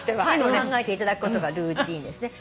考えていただくことがルーティンです。